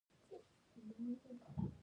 تاسو کله لوګر ته ځئ؟